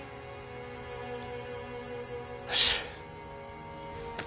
よし。